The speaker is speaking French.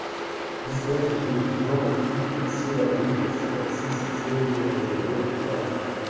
dix-neuf rue Jean et Yves Texier Lahoulle, cinquante-six, zéro zéro zéro, Vannes